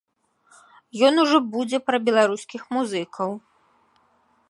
Ён ўжо будзе пра беларускіх музыкаў.